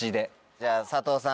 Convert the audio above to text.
じゃあ佐藤さん